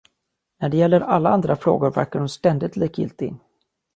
När det gäller alla andra frågor verkar hon ständigt likgiltig.